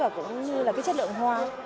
giống như là cái chất lượng hoa